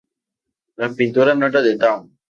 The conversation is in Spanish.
La pintura no era de Dawn.